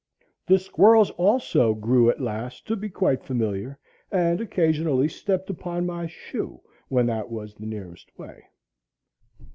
The squirrels also grew at last to be quite familiar, and occasionally stepped upon my shoe, when that was the nearest way.